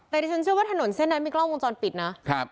แต่ที่ฉันเชื่อว่าถนนเส้นนั้นมีกล้องวงจรปิดนะครับ